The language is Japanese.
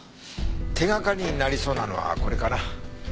手がかりになりそうなのはこれかな。